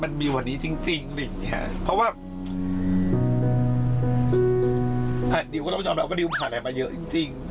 มันมีวันนี้จริงจริงเพราะว่าดิวก็ต้องยอมแล้วว่าดิวผ่านอะไรมาเยอะจริงจริง